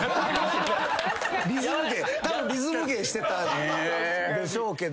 リズム芸たぶんリズム芸してたでしょうけど。